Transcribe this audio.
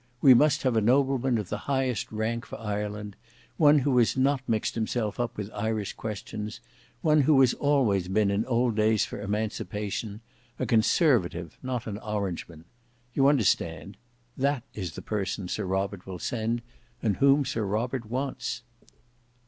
We must have a nobleman of the highest rank for Ireland; one who has not mixed himself up with Irish questions; who has always been in old days for emancipation; a conservative, not an orangeman. You understand. That is the person Sir Robert will send, and whom Sir Robert wants."